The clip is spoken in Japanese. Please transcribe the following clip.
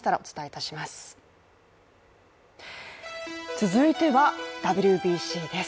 続いては、ＷＢＣです。